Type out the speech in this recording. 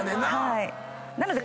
なので。